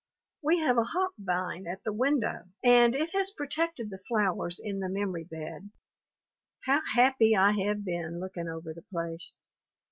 We have a hop vine at the window and it has protected the flowers in the memory bed. How happy I have been, looking over the place!